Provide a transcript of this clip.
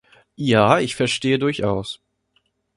Ja, ich verstehe durchaus.